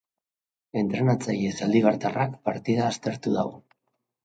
Entrenatzaile zaldibartarrak partida aztertu du.